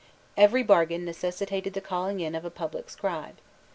* Every bargain necessitated the calling in of a public scribe.